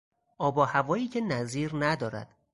آب و هوایی که نظیر ندارد.